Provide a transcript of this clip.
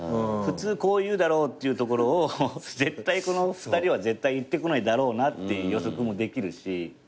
普通こう言うだろうってところをこの２人は絶対言ってこないだろうなって予測もできるし。